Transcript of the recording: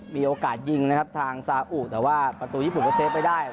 มีโอกาสยิงนะครับทางซาอุแต่ว่าประตูญี่ปุ่นก็เฟฟไม่ได้